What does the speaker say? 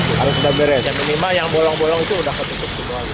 yang minimal yang bolong bolong itu sudah ketutup